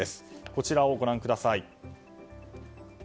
こちらをご覧ください。